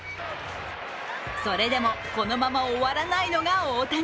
それでもこのまま終わらないのが大谷。